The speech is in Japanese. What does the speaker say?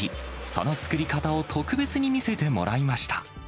その作り方を特別に見せてもらいました。